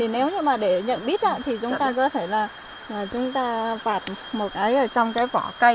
nếu để nhận bít thì chúng ta có thể là vạt một cái trong cái vỏ cây